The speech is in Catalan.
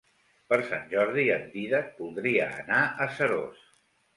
Per Sant Jordi en Dídac voldria anar a Seròs.